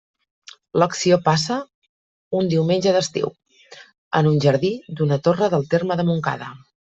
L'acció passa un diumenge d'estiu, en un jardí d'una torre del terme de Montcada.